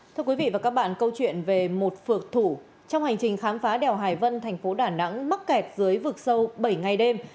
thưa quý vị và các bạn câu chuyện về một phược thủ trong hành trình khám phá đèo hải vân thành phố đà nẵng mắc kẹt dưới vực sâu bảy ngày đêm